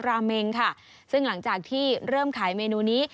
ราเมงค่ะซึ่งหลังจากที่เริ่มขายเมนูนี้